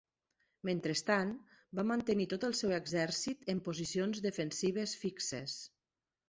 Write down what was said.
Mentrestant, va mantenir tot el seu exèrcit en posicions defensives fixes.